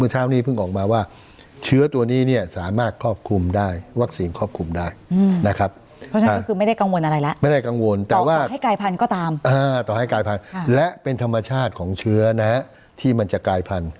ต่อให้กลายพันธุ์และเป็นธรรมชาติของเชื้อนะฮะที่มันจะกลายพันธุ์